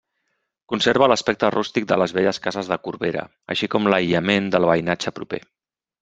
Conserva l'aspecte rústic de les velles cases de Corbera, així com l'aïllament del veïnatge proper.